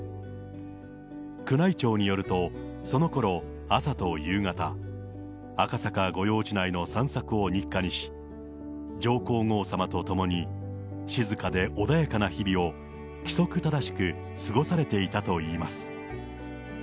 宮内庁によると、そのころ、朝と夕方、赤坂御用地内の散策を日課にし、上皇后さまと共に、静かで穏やかな日々を規則正しく過ごされていたといいます。